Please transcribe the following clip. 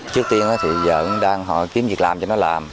trước tiên thì giờ cũng đang họ kiếm việc làm cho nó làm